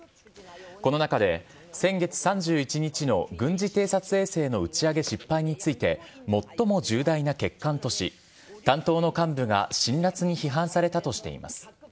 この中で、先月３１日の軍事偵察衛星の打ち上げ失敗について、最も重大な欠陥とし、担当の幹部が辛辣に批判されたとしています。